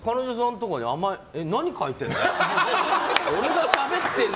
何書いてんの？